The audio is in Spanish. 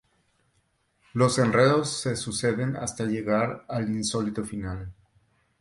Los enredos se suceden hasta llegar al insólito final.